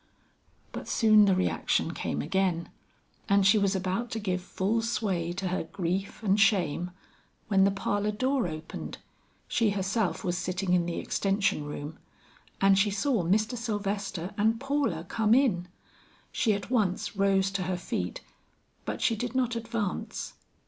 But soon the reaction came again, and she was about to give full sway to her grief and shame, when the parlor door opened she herself was sitting in the extension room and she saw Mr. Sylvester and Paula come in. She at once rose to her feet; but she did not advance.